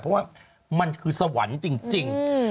เพราะว่ามันคือสวรรค์จริง